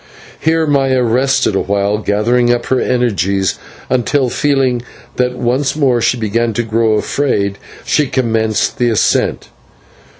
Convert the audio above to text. Here Maya rested awhile, gathering up her energies, then, feeling that once more she began to grow afraid, she commenced the ascent.